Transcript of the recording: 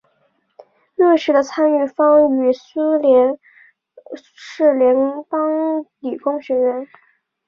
瑞士的参与方为苏黎世联邦理工学院。